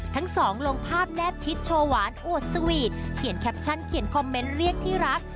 ทั้งสองลงภาพแนบชิดโชว์หวานอวดสวีทเขียนแคปชั่นเขียนคอมเมนต์เรียกที่รัก